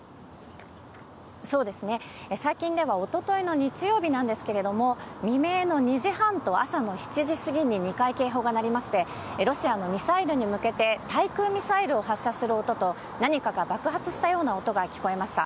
そうですね、最近では、おとといの日曜日なんですけれども、未明の２時半と朝の７時過ぎに２回警報が鳴りまして、ロシアのミサイルに向けて対空ミサイルを発射する音と、何かが爆発したような音が聞こえました。